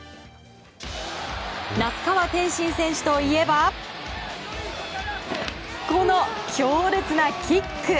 那須川天心選手といえばこの強烈なキック。